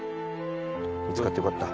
見つかってよかった。